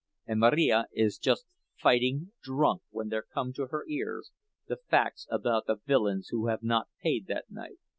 And Marija is just fighting drunk when there come to her ears the facts about the villains who have not paid that night.